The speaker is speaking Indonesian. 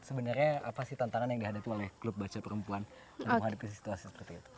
sebenarnya apa sih tantangan yang dihadapi oleh klub baca perempuan dalam menghadapi situasi seperti itu